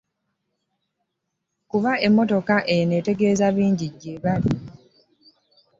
Kuba emmotoka eno etegeeza bingi gye bali.